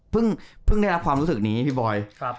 เพิ่งได้รับความรู้สึกนี้พี่บอย